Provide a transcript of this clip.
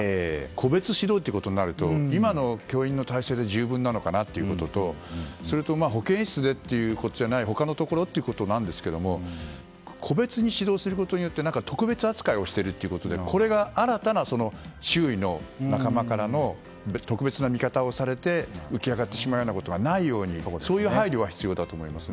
個別指導で言うと今の教員の体制で十分なのかなということとそれと、保健室や他のところということなんですが個別に指導することで特別扱いをしているということでこれが新たな周囲の、仲間からの特別な見方をされて浮き上がってしまうことがないようにそういう配慮が必要だと思います。